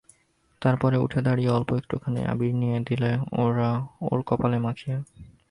তার পরে উঠে দাঁড়িয়ে অল্প একটুখানি আবির নিয়ে দিলে ওর কপালে মাখিয়ে।